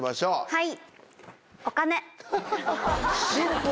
はい。